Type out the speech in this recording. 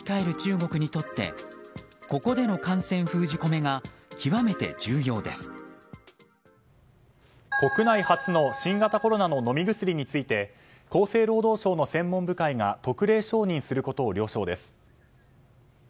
国内初の新型コロナの飲み薬について厚生労働省の専門部会が特例承認することを了承です。